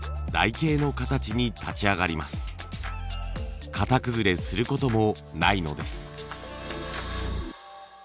型崩れすることもないのです。